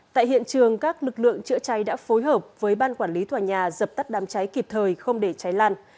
tại hiện trường các lực lượng chữa cháy đã phối hợp với ban quản lý tòa nhà dập tắt đám cháy kịp thời không để cháy lan